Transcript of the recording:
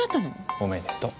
おめでとう。